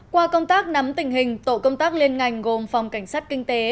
qua công tác nắm tình hình tổ công tác liên ngành gồm phòng cảnh sát kinh tế